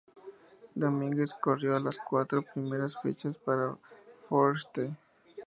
Domínguez corrió las cuatro primeras fechas para Forsythe.